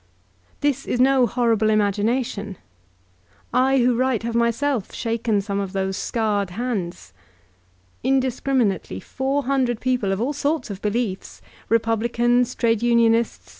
This is no horrible im agination. I who write have myself shaken some of those scarred hands. Indiscriminately, four hundred peo ple of all sorts of beliefs — Republicans, trade unionists.